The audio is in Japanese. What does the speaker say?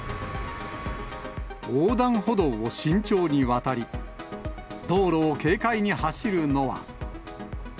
横断歩道を慎重に渡り、道路を軽快に走るのは。